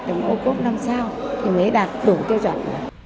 của một ô cốp năm sao thì mới đạt đủ tiêu chuẩn